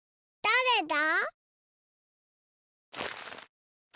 だれだ？